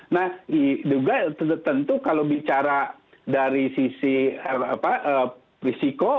nah juga tentu kalau bicara dari sisi risiko